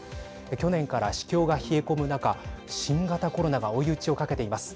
去年から市況が冷え込む中新型コロナが追い打ちをかけています。